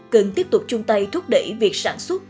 cần tiếp tục chung tay thúc đẩy việc sản xuất